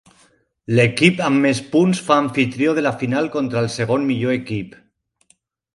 L'equip amb més punts fa amfitrió de la final contra el segon millor equip.